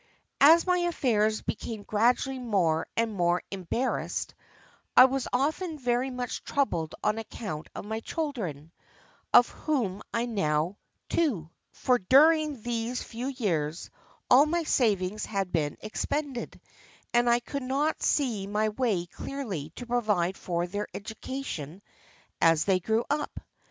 "As my affairs became gradually more and more embarrassed I was often very much troubled on account of my children, of whom I had now two, for during these few years all my savings had been expended, and I could not see my way clearly to provide for their education as they grew up.